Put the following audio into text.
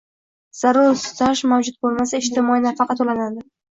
Zarur staj mavjud boʻlmasa, ijtimoiy nafaqa toʻlanadi